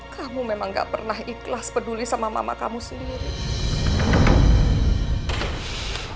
kamu memang gak pernah ikhlas peduli sama mama kamu sendiri